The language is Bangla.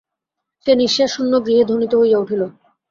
সে নিশ্বাস শূন্য গৃহে ধ্বনিত হইয়া উঠিল।